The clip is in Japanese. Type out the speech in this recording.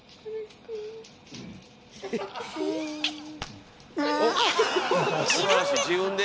すばらしい自分で。